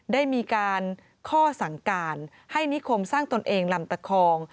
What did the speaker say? ได้มีการข้อสั่งการให้นิคมสร้างตนเองลำตะคอง